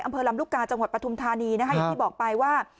อำเภอลำลูกกาจังหวัดปฐุมธานีนะคะอย่างที่บอกไปว่า